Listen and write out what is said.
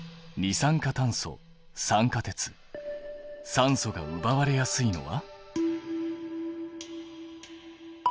酸素がうばわれやすいのは？